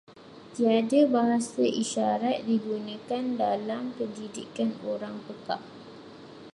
Tiada bahasa isyarat digunakan dalam pendidikan orang pekak.